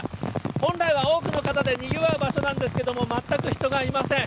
本来は多くの方でにぎわう場所なんですけど、全く人がいません。